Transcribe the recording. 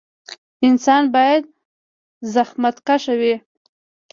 انسان باید زخمتکشه وي